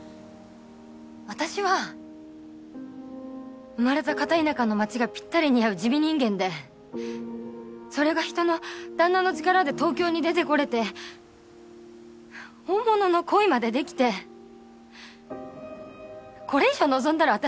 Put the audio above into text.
私は生まれた片田舎の町がぴったり似合う地味人間でそれが人の旦那の力で東京に出てこれて本物の恋までできてこれ以上望んだら私